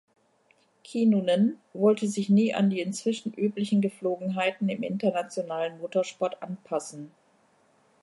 Kinnunen wollte sich nie an die inzwischen üblichen Gepflogenheiten im internationalen Motorsport anpassen.